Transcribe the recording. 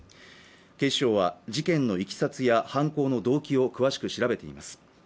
警視庁は事件のいきさつや犯行の動機を詳しく調べています